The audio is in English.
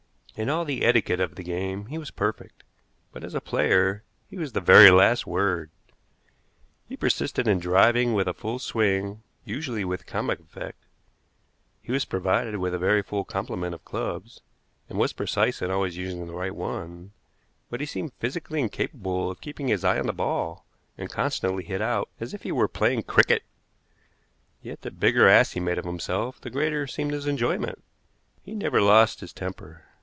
In all the etiquette of the game he was perfect, but as a player he was the very last word. He persisted in driving with a full swing, usually with comic effect; he was provided with a very full complement of clubs, and was precise in always using the right one; but he seemed physically incapable of keeping his eye on the ball, and constantly hit out, as if he were playing cricket; yet the bigger ass he made of himself the greater seemed his enjoyment. He never lost his temper.